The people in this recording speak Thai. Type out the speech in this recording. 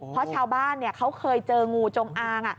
เพราะชาวบ้านเขาเคยเจองูจงอาง